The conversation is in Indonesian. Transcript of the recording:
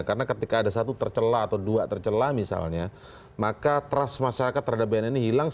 karena ketika ada satu tercela atau dua tercela misalnya maka trust masyarakat terhadap bnn ini hilang